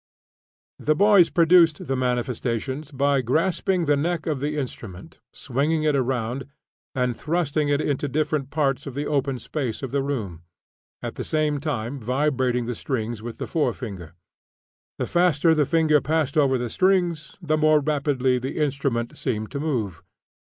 The boys produced the manifestations by grasping the neck of the instrument, swinging it around, and thrusting it into different parts of the open space of the room, at the same time vibrating the strings with the fore finger. The faster the finger passed over the strings, the more rapidly the instrument seemed to move.